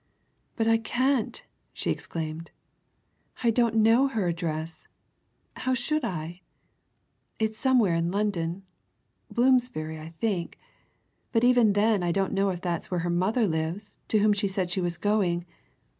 "But I can't!" she exclaimed. "I don't know her address how should I? It's somewhere in London Bloomsbury, I think but even then I don't know if that's where her mother lives, to whom she said she was going.